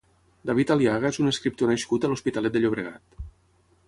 David Aliaga és un escriptor nascut a l'Hospitalet de Llobregat.